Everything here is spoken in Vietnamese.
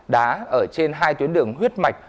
đá ở trên hai tuyến đường huyết mạch